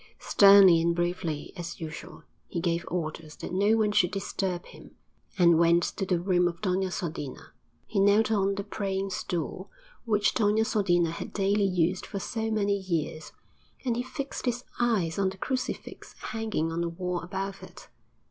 Sternly and briefly, as usual, he gave orders that no one should disturb him, and went to the room of Doña Sodina; he knelt on the praying stool which Doña Sodina had daily used for so many years, and he fixed his eyes on the crucifix hanging on the wall above it.